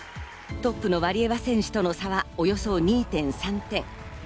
トップのワリエワ選手との差はおよそ２．３点。